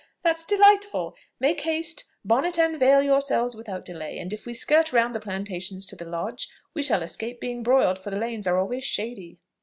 That's delightful! Make haste; bonnet and veil yourselves without delay: and if we skirt round the plantations to the lodge, we shall escape being broiled, for the lanes are always shady."